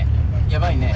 やばいね。